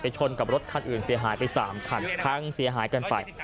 ชนกับรถคันอื่นเสียหายไป๓คันพังเสียหายกันไป